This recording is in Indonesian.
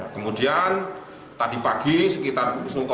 kemudian tadi pagi sekitar satu tiga puluh